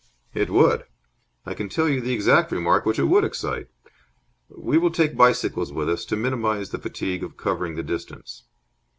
"It would. I can tell you the exact remark which it would excite." "We will take bicycles with us, to minimize the fatigue of covering the distance.